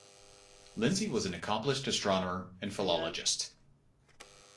Lindsay was an accomplished astronomer and philologist.